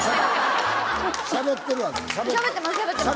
しゃべってるわけ？